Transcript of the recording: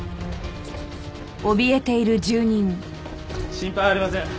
心配ありません。